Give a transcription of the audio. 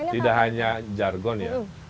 tidak hanya jargon ya